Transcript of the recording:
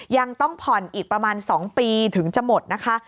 ยังต้องผ่อนอีกประมาณ๒ปีถึงจะหมดนะคะ